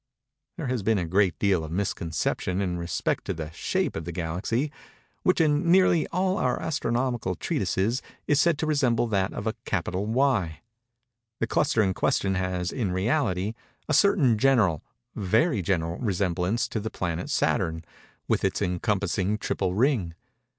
There has been a great deal of misconception in respect to the shape of the Galaxy; which, in nearly all our astronomical treatises, is said to resemble that of a capital Y. The cluster in question has, in reality, a certain general—very general resemblance to the planet Saturn, with its encompassing triple ring.